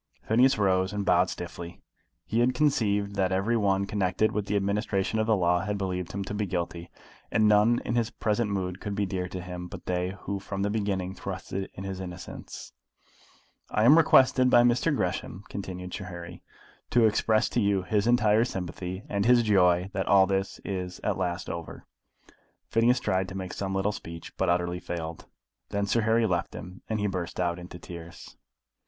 Phineas rose, and bowed stiffly. He had conceived that every one connected with the administration of the law had believed him to be guilty, and none in his present mood could be dear to him but they who from the beginning trusted in his innocence. "I am requested by Mr. Gresham," continued Sir Harry, "to express to you his entire sympathy, and his joy that all this is at last over." Phineas tried to make some little speech, but utterly failed. Then Sir Harry left them, and he burst out into tears.